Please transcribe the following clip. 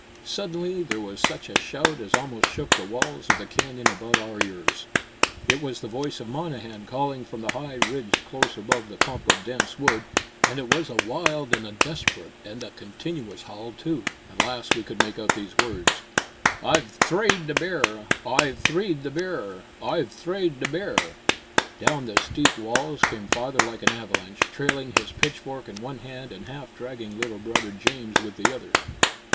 Suddenly there was such a shout as almost shook the walls of the canyon about our ears. It was the voice of Monnehan calling from the high ridge close above the clump of dense wood; and it was a wild and a desperate and a continuous howl, too. At last we could make out these words: "Oi've thrade the bear! Oi've thrade the bear! Oi've thrade the bear!" Down the steep walls came father like an avalanche, trailing his pitchfork in one hand and half dragging little brother James with the other.